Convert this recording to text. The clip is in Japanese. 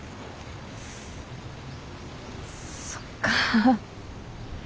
そっか。